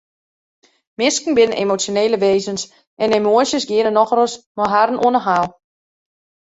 Minsken binne emosjonele wêzens en emoasjes geane nochal ris mei harren oan 'e haal.